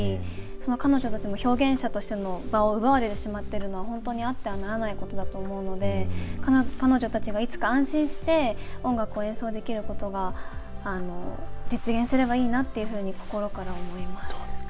彼女たちも表現者としての場を奪われてしまっているのは本当にあってはならないことだと思うので彼女たちがいつか安心して音楽を演奏できることが実現すればいいなというふうに心から思います。